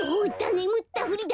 ねむったふりだ！